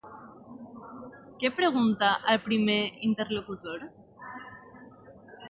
Què pregunta el primer interlocutor?